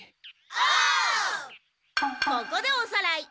ここでおさらい。